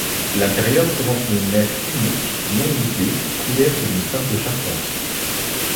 L’intérieur présente une nef unique, non voûtée, couverte d’une simple charpente.